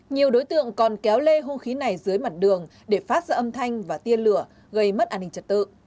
nhiều đối tượng còn kéo lê hung khí này dưới mặt đường để phát ra âm thanh và tiên lửa gây mất an ninh trật tự